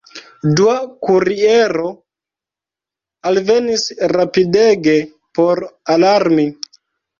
Dua kuriero alvenis rapidege por alarmi.